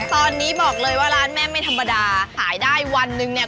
ตอนนี้บอกเลยว่าร้านแม่ไม่ธรรมดาขายได้วันหนึ่งเนี่ย